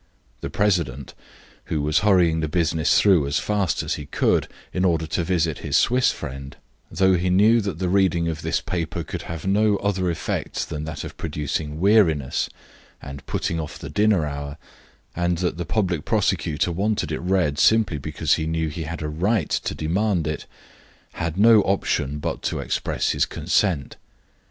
The president, who was hurrying the business through as fast as he could in order to visit his Swiss friend, though he knew that the reading of this paper could have no other effect than that of producing weariness and putting off the dinner hour, and that the public prosecutor wanted it read simply because he knew he had a right to demand it, had no option but to express his consent.